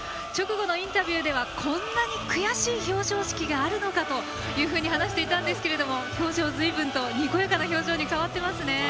直後のインタビューではこんなに悔しい表彰式があるのかと話していたんですけれども表情はずいぶんとにこやかな表情に変わっています。